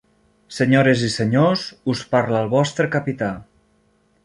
Senyores i senyors, us parla el vostre capità.